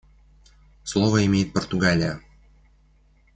Слово имеет Португалия.